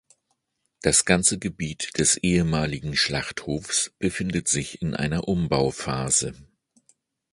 Das ganze Gebiet des ehemaligen Schlachthofs befindet sich in einer Umbauphase.